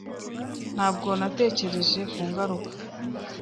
Ntabwo natekereje ku ngaruka.